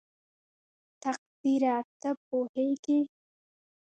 تقديره ته پوهېږې??